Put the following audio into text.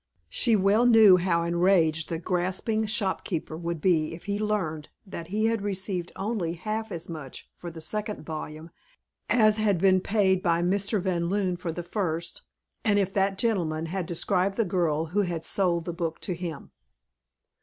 She well knew how enraged the grasping shopkeeper would be if he learned that he had received only half as much for the second volume as had been paid by Mr. Van Loon for the first, and if that gentleman had described the girl who had sold the book to him!